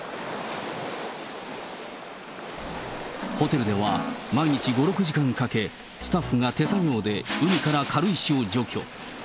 ホテルでは毎日５、６時間かけ、スタッフが手作業で海から軽石を除去。